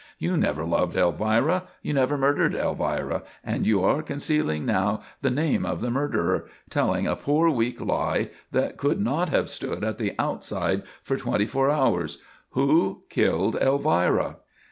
You never loved Elvira; you never murdered Elvira; and you are concealing now the name of the murderer, telling a poor weak lie that could not have stood at the outside for twenty four hours! _Who killed Elvira?